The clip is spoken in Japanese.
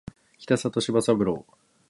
北里柴三郎